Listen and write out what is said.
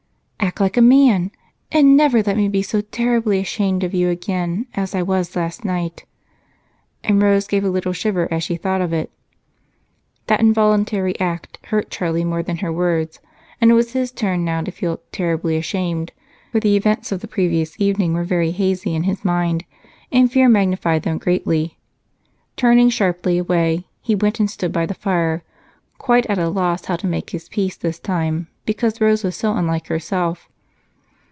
"Act like a man, and never let me be so terribly ashamed of you again as I was last night." And Rose gave a little shiver as she thought of it. That involuntary act hurt Charlie more than her words, and it was his turn now to feel "terribly ashamed," for the events of the previous evening were very hazy in his mind and fear magnified them greatly. Turning sharply away, he went and stood by the fire, quite at a loss how to make his peace this time, because Rose was so unlike herself.